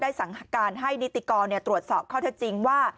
สั่งการให้นิติกรตรวจสอบข้อเท็จจริงว่า